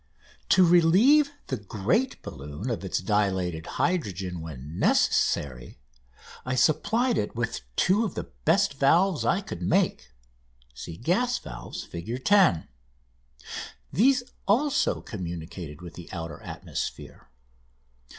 To relieve the great balloon of its dilated hydrogen when necessary I supplied it with two of the best valves I could make ("Gas Valves," Fig. 10). These also communicated with the outer atmosphere.